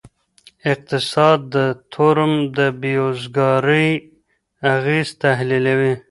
اقتصاد د تورم او بیروزګارۍ اغیز تحلیلوي.